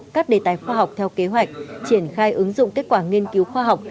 các đề tài khoa học theo kế hoạch triển khai ứng dụng kết quả nghiên cứu khoa học